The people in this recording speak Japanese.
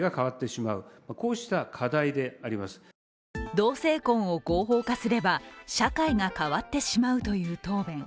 同性婚を合法化すれば、社会が変わってしまうという答弁。